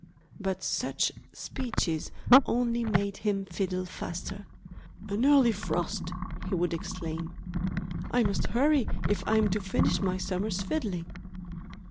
But such speeches only made him fiddle the faster. "An early frost!" he would exclaim. "I must hurry if I'm to finish my summer's fiddling."